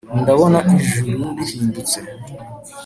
ndabona ijuru rihindutse